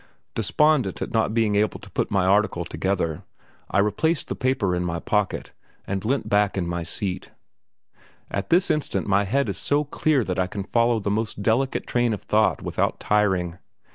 Despondent at not being able to put my article together, I replaced the paper in my pocket, and leant back in the seat. At this instant my head is so clear that I can follow the most delicate train of thought without tiring.